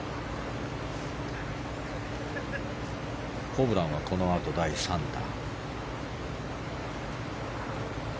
ホブランはこのあと第３打。